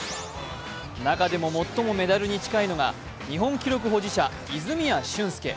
中でも最もメダルに近いのが日本記録保持者・泉谷駿介。